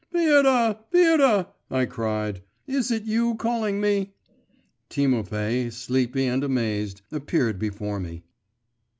'Vera, Vera!' I cried; 'is it you calling me?' Timofay, sleepy and amazed, appeared before me.